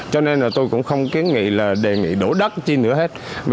cho nên là tôi cũng không kiến nghị là đề nghị đổ đất chi nữa hết